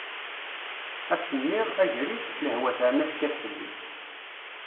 Asemmiḍ, agris, lehwa terna tekkat fell-i.